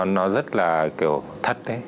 nó rất là kiểu thật đấy